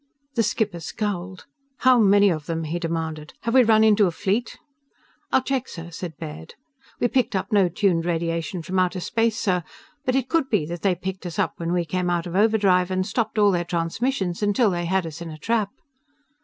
The skipper scowled. "How many of them?" he demanded. "Have we run into a fleet?" "I'll check, sir," said Baird. "We picked up no tuned radiation from outer space, sir, but it could be that they picked us up when we came out of overdrive and stopped all their transmissions until they had us in a trap."